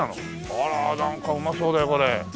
あらなんかうまそうだよこれ。